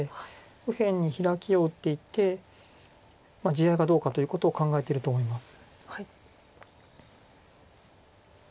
右辺にヒラキを打っていって地合いがどうかということを考えてると思います。